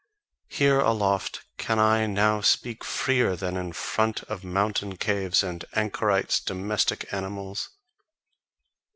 Here aloft can I now speak freer than in front of mountain caves and anchorites' domestic animals.